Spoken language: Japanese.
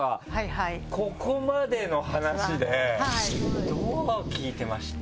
ここまでの話でどう聞いてました？